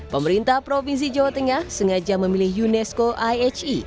pemerintah provinsi jawa tengah sengaja memilih unesco ih